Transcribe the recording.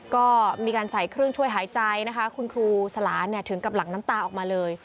ก็มีการใส่เครื่องช่วยหายใจนะคะคุณครูสลาเนี่ยถึงกับหลังน้ำตาออกมาเลย